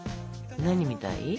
何みたい？